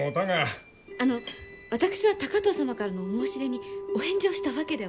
あの私は高藤様からのお申し出にお返事をしたわけでは。